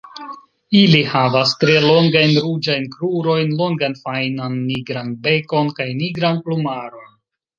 Ili havas tre longajn ruĝajn krurojn, longan fajnan nigran bekon kaj nigran plumaron.